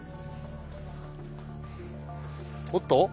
おっと？